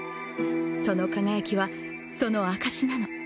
その輝きはその証しなの。